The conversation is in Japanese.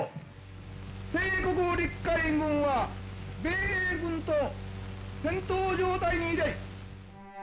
帝国陸海軍は米英軍と戦闘状態に入れり」。